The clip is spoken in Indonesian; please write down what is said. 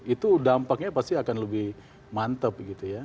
itu dampaknya pasti akan lebih mantap